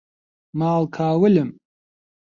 ماڵ کاولم